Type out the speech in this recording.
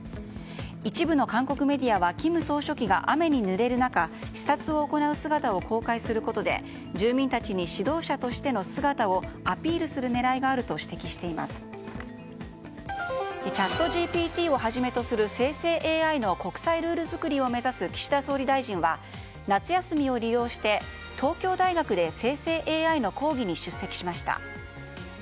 一部の韓国メディアは金総書記が雨にぬれる中視察を行う姿を公開することで住民たちに指導者としての姿をアピールする狙いがあるとＣｈａｔＧＰＴをはじめとする生成ＡＩの国際ルール作りを目指す岸田総理大臣は夏休みを利用して、東京大学で生成ＡＩの講義に出席しました。